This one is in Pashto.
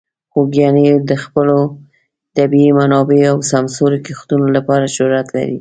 خوږیاڼي د خپلو طبیعي منابعو او سمسور کښتونو لپاره شهرت لري.